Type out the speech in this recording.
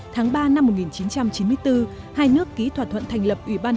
tháng ba năm một nghìn chín trăm chín mươi bốn hai nước ký thỏa thuận thành lập ủy ban